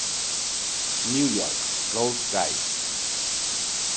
New York: Rough Guides.